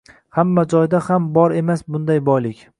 – hamma joyda ham bor emas bunday boylik.